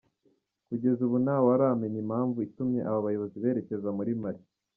Kugeza ubu nta wuramenya impamvu itumye aba bayobozi berekeza muri Mali.